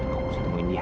kamu harus temuin dia